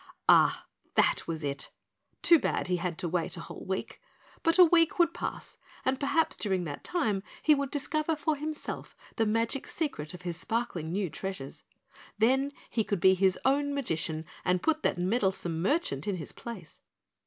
Ah, that was it too bad he had to wait a whole week, but a week would pass and perhaps during that time he would discover for himself the magic secret of his sparkling new treasures. Then he could be his own magician and put that meddlesome merchant in his place.